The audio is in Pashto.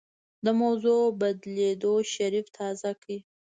د موضوع بدلېدو شريف تازه کړ.